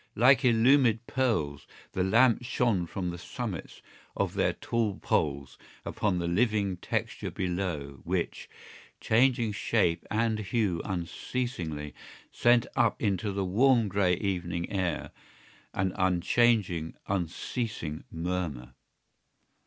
Like illumined pearls the lamps shone from the summits of their tall poles upon the living texture below which, changing shape and hue unceasingly, sent up into the warm grey evening air an unchanging unceasing murmur.